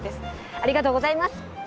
ありがとうございます。